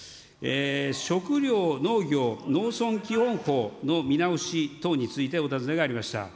食料・農業・農村基本法の見直し等について、お尋ねがありました。